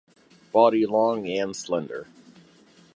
Body long and slender.